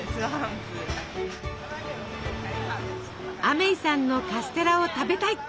アメイさんのカステラを食べたい。